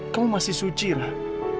kamu masih suci ratu